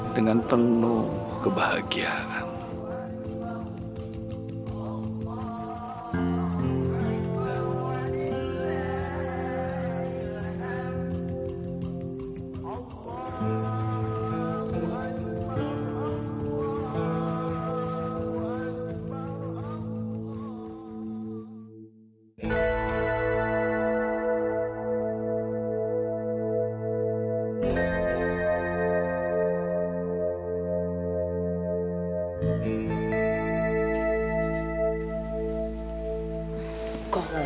dengan tenuh kebahagiaan